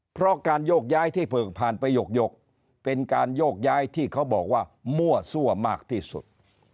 เพราะการโยกย้ายที่เผิงผ่านไปหยกเป็นการโยกย้ายที่เขาบอกว่ามั่วซั่วมากที่สุด